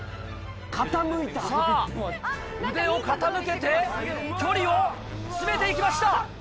さぁ腕を傾けて距離を詰めて行きました。